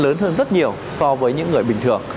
nó sẽ lớn hơn rất nhiều so với những người bình thường